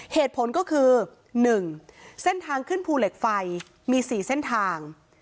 เหตุผลก็คือ๑เส้นทางขึ้นภูเหล็กไฟมี๔เส้นทาง